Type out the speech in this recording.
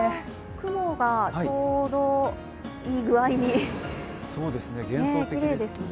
雲がちょうどいい具合にきれいですね。